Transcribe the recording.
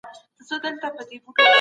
پر وخت ويښېدل ځواک زياتوي